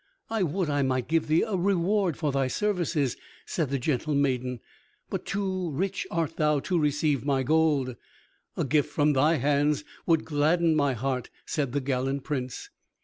"I would I might give thee a reward for thy services," said the gentle maiden, "but too rich art thou to receive my gold." "A gift from thy hands would gladden my heart," said the gallant Prince.